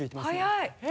早い！